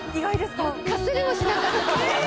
かすりもしなかった。